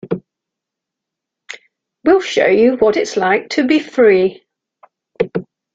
We'll show you what it's like to be free.